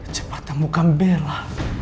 cepat temukan bella